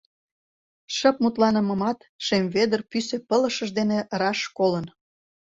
Шып мутланымымат Шем Вӧдыр пӱсӧ пылышыж дене раш колын.